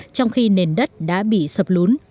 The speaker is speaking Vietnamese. trong khi nền đất đã bị sập lún